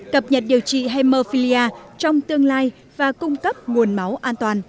cập nhật điều trị hemerphelia trong tương lai và cung cấp nguồn máu an toàn